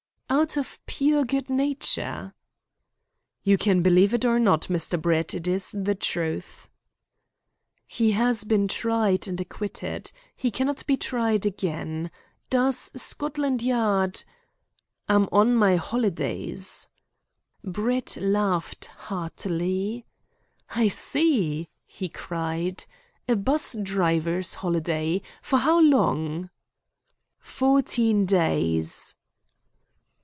"Out of pure good nature?" "You can believe it or not, Mr. Brett. It is the truth." "He has been tried and acquitted. He cannot be tried again. Does Scotland Yard " "I'm on my holidays." Brett laughed heartily. "I see!" he cried. "A 'bus driver's holiday! For how long?" "Fourteen days."